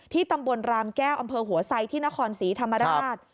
ที่ตำบวนรามแก้วอำเภอหัวไซค์ที่นครศรีธรรมดา